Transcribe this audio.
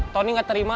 tony gak terima